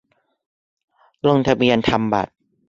- ลงทะเบียนทำบัตร